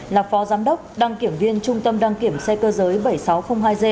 là phó giám đốc đăng kiểm viên trung tâm đăng kiểm xe cơ giới bảy nghìn sáu trăm linh hai g